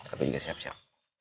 aku juga siap siap